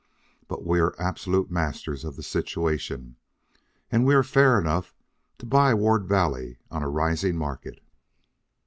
But we are absolute masters of the situation, and we are fair enough to buy Ward Valley on a rising market.